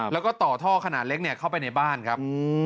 แล้วก็ต่อท่อขนาดเล็กเข้าไปในบ้านครับ